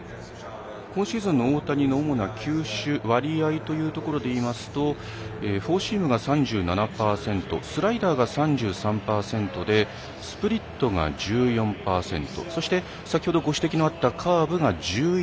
今シーズンの大谷の主な球種、割合というところでいいますとフォーシームが３７％スライダーが３３％でスプリットが１４％そして、先ほどご指摘のあったカーブが１１％。